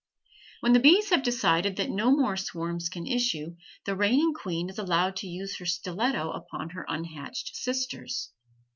When the bees have decided that no more swarms can issue, the reigning queen is allowed to use her stiletto upon her unhatched sisters.